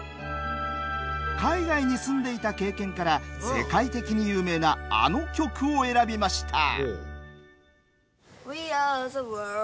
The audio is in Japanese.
海外に住んでいた経験から世界的に有名なあの曲を選びました。